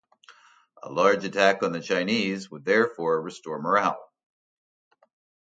A large attack on the Chinese would therefore restore morale.